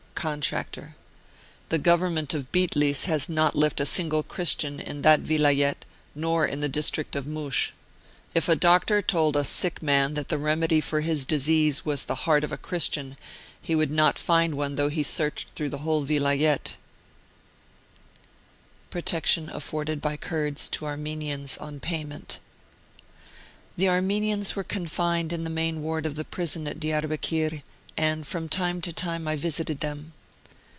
Contractor : The Government of Bitlis has not left a single Christian in that Vilayet, nor in the district of Moush. If a doctor told a sick man that the remedy for his disease was the heart of a Chris tian he would not find one though he searched through the whole Vilayet. PROTECTION AFFORDED BY KURDS TO ARMENIANS ON PAYMENT. The Armenians were confined in the main ward of the prison at Diarbekir, and from time to time I visited them.